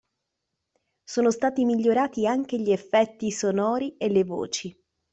Sono stati migliorati anche gli effetti sonori e le voci.